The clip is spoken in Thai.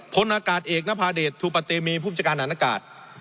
ผลอากาศเอกนภาเดชถูปตเตมีผู้จัดการอาณากาศ